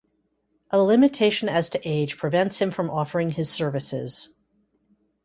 A limitation as to age prevents him from offering his services.